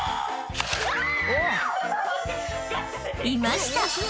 ［いました。